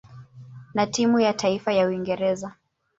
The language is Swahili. na timu ya taifa ya Uingereza.